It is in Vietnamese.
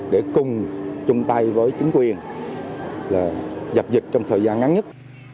để cùng chung tay với chính quyền dập dịch trong thời gian ngắn nhất